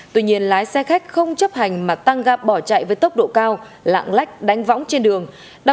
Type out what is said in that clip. tuy nhiên lái xe khách không chấp hành mà tăng gap bỏ chạy với tốc độ cao lạng lách đánh võng trên đường